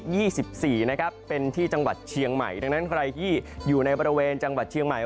นะครับเป็นที่จังหวัดเชียงใหม่ดังนั้นใครที่อยู่ในบริเวณจังหวัดเชียงใหม่